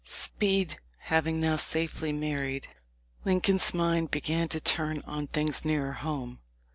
Speed having now safely married, Lincoln's mind hegan to turn on things nearer home.